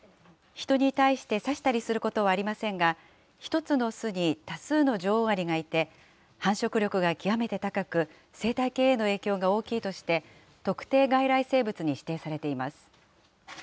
人に対して刺したりすることはありませんが、１つの巣に多数の女王アリがいて、繁殖力が極めて高く、生態系への影響が大きいとして、特定外来生物に指定されています。